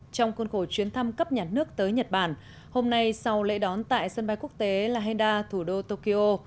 trong khuôn khổ chuyến thăm cấp nhà nước tới nhật bản hôm nay sau lễ đón tại sân bay quốc tế la henda thủ đô tokyo